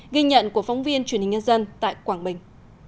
ghi nhận của phóng viên truyền hình nhân dân tại quảng bình